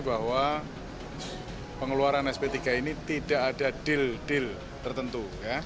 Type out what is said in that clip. bahwa pengeluaran sp tiga ini tidak ada deal deal tertentu